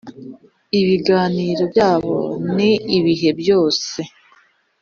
ibiganiro byabo ni ibihe byose,